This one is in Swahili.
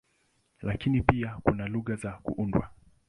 Lakini pia kuna lugha za kuundwa.